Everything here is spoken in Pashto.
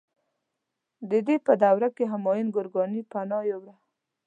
د ده په دوره کې همایون ګورکاني پناه یووړه.